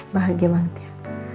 bahagia banget ya